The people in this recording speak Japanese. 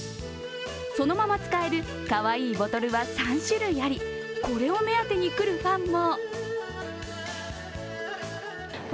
そのまま使えるかわいいボトルは３種類あり、これを目当てに来るファンも。